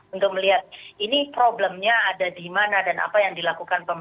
untuk melihat ini problemnya ada di mana dan apa yang dilakukan pemerintah